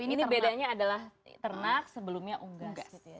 ini bedanya adalah ternak sebelumnya unggas gitu ya